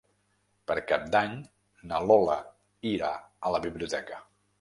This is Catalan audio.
Per Cap d'Any na Lola irà a la biblioteca.